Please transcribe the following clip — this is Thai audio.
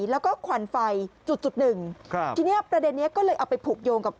แล้วก็ควันไฟจุดจุดหนึ่งครับทีนี้ประเด็นนี้ก็เลยเอาไปผูกโยงกับ